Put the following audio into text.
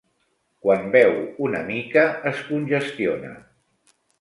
Quan beu una mica es congestiona.